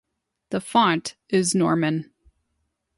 The font is Norman.